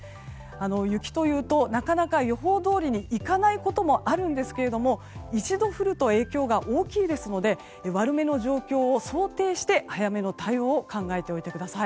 雪というとなかなか予報どおりにいかないこともあるんですけれども一度降ると影響が大きいですので悪めの情報を想定して早めの対応を考えておいてください。